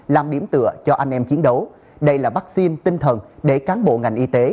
làm điểm tựa cho anh em chiến đấu đây là vaccine tinh thần để cán bộ ngành y tế